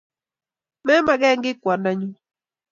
Memeke kiy kwongdonyu.